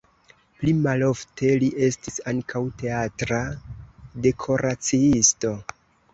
Pli malofte li estis ankaŭ teatra dekoraciisto.